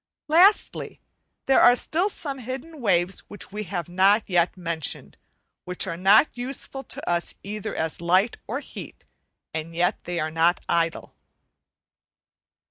Lastly, there are still some hidden waves which we have not yet mentioned, which are not useful to us either as light or heat, and yet they are not idle.